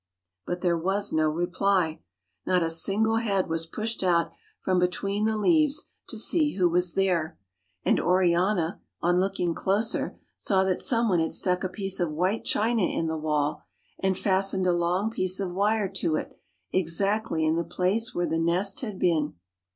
But there was no reply. Not a single head was pushed out from between the leaves to see who was there ; and Oriana, on looking closer, saw that some one had stuck a piece of white china in the wall, and fastened a long piece of wire to it, ex actly in the place where the nest had been.